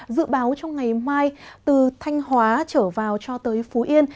dự báo trong ngày mai từ thanh hóa trở vào cho tới phú yên